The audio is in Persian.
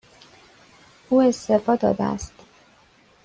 او استعفا داده است.